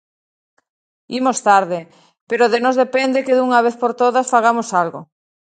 Imos tarde, pero de nós depende que dunha vez por todas fagamos algo.